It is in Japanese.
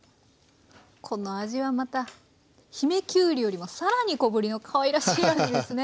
このあじはまた姫きゅうりよりも更に小ぶりのかわいらしいあじですね。